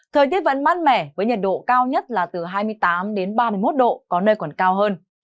thời tiết vẫn mát mẻ với nhiệt độ cao nhất là từ hai mươi tám đến ba mươi một độ có nơi còn cao hơn